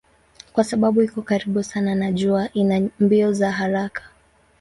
Kwa sababu iko karibu sana na jua ina mbio za haraka.